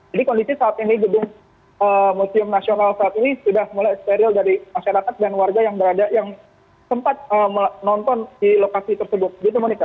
jadi kondisi saat ini gedung museum nasional saat ini sudah mulai steril dari masyarakat dan warga yang berada yang sempat menonton di lokasi tersebut